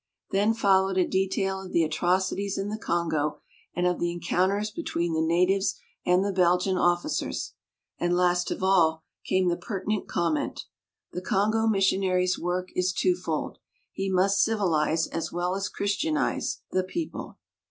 Then followed, a detail of the atroci ties in the Congo and of the encounters be tween the natives and the Belgian officers, and last of all came the pertinent comment : "The Congo missionary's work is twofold. He. must civilize, as well as Christianize, the people."